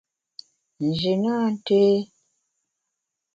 Nji nâ nté.